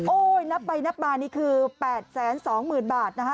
นับไปนับมานี่คือ๘๒๐๐๐บาทนะคะ